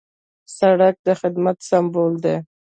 سړک د خدمت سمبول دی.